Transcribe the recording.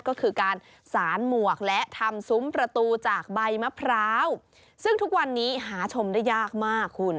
ก็คือการสารหมวกและทำซุ้มประตูจากใบมะพร้าวซึ่งทุกวันนี้หาชมได้ยากมากคุณ